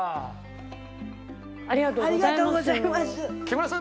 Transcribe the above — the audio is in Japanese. ありがとうございます。